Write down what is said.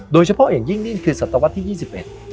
โดยเฉพาะอย่างยิ่งคือศตวรรษที่๒๑